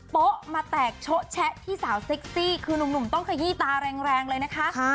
โป๊ะมาแตกโชะแชะที่สาวเซ็กซี่คือนุ่มต้องขยี้ตาแรงเลยนะคะ